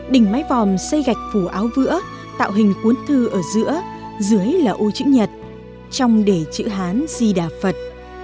đỉnh mái vòm xây gạch phủ áo vữa tạo hình cuốn thư ở giữa dưới là ô chữ nhật trong đề chữ hán di đà phật